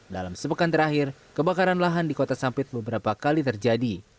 dalam sepekan terakhir kebakaran lahan di kota sampit beberapa kali terjadi